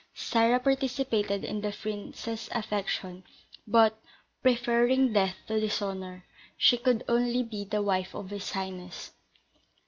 Sarah participated in the prince's affection, but, preferring death to dishonour, she could only be the wife of his highness.